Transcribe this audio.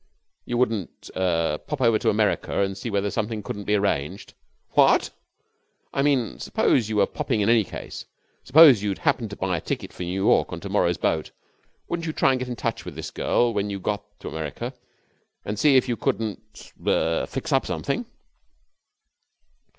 'You wouldn't er pop over to America and see whether something couldn't be arranged?' 'What!' 'I mean suppose you were popping in any case. Suppose you had happened to buy a ticket for New York on to morrow's boat, wouldn't you try to get in touch with this girl when you got to America, and see if you couldn't er fix up something?'